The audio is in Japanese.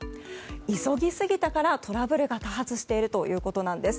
急ぎすぎたからトラブルが多発しているということなんです。